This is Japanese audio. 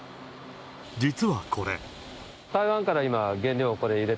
実はこれ。